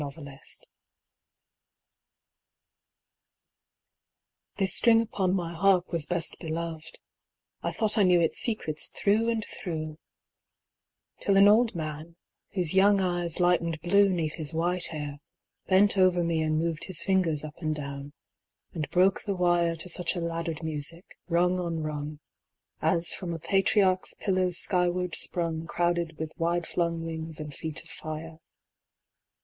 HARMONICS This string upon my harp was best beloved: I thought I knew its secrets through and through; Till an old man, whose young eyes lightened blue 'Neath his white hair, bent over me and moved His fingers up and down, and broke the wire To such a laddered music, rung on rung, As from the patriarch's pillow skyward sprung Crowded with wide flung wings and feet of fire.